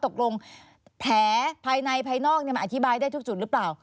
แผลภายในภายนอกมันอธิบายได้ทุกจุดหรือเปล่า